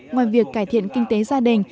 ngoài việc cải thiện kinh tế gia đình